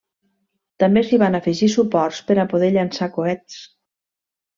També s'hi van afegir suports per a poder llançar coets.